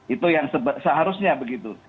itu yang seharusnya begitu